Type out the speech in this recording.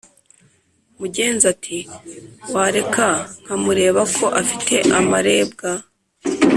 Mugenza ati"wareka nkamureba ko afite amarebwa"